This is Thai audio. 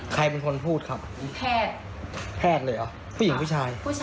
ใครเป็นคนพูดครับแพทย์เลยเหรอผู้หญิงผู้ชาย